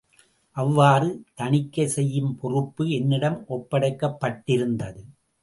அவ்வாறு தணிக்கை செய்யும் பொறுப்பு என்னிடம் ஒப்படைக்கப்பட்டிருந்தது.